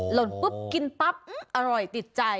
หล่นปุ๊บกินปั๊บอร่อยติดใจ